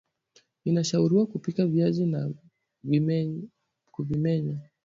inashauriwa kupika viazi na kuvimenya